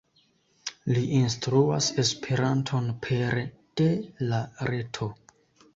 Li instruas Esperanton pere de la reto.